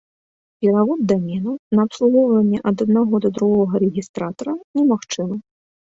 Перавод даменаў на абслугоўванне ад аднаго да другога рэгістратара немагчымы.